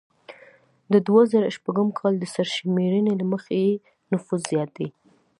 د دوه زره شپږم کال د سرشمیرنې له مخې یې نفوس زیات دی